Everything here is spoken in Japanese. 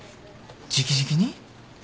直々に？